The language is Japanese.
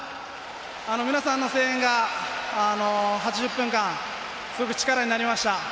皆さんの声援が８０分間、すごく力になりました。